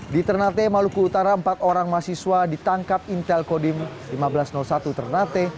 di ternate maluku utara empat orang mahasiswa ditangkap intel kodim seribu lima ratus satu ternate